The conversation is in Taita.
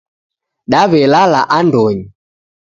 Dawelala andonyi